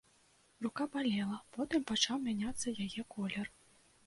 Рука балела, потым пачаў мяняцца яе колер.